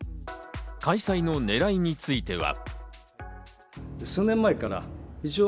開催の狙いについては。